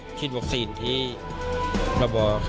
โดยแสงบางทีมีอีกประมาณ๕ลูกสาว